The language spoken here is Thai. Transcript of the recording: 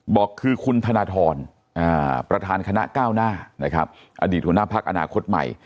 บอกคือคุณธนทรประธานคณะก้าวหน้าอดีตหน้าพรรคอนาคตใหม่